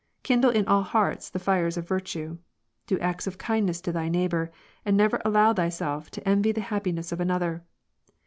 Kindle in all hearts the fires of virtue. Do acts of kindness to thy neighbor, and never allow thyself to envy the happiness of another.